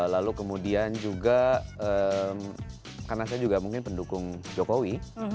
lalu kemudian juga karena saya juga mungkin pendukung jokowi